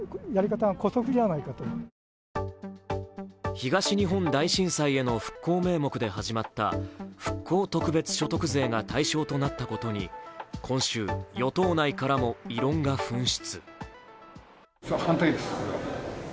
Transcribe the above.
東日本大震災への復興名目で始まった復興特別所得税が対象となったことに今週、与党内からも異論が噴出。